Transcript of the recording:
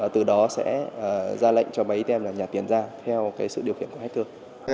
từ đó sẽ ra lệnh cho máy atm nhà tiền ra theo sự điều khiển của hãi tượng